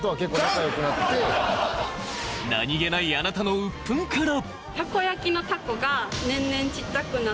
何気ないあなたのうっぷんから。